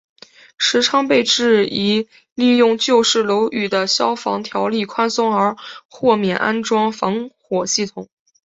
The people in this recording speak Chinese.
时昌被质疑利用旧式楼宇的消防条例宽松而豁免安装防火系统。